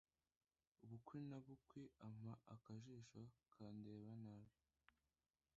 Bukwi na bukwi ampa akajisho kandeba nabi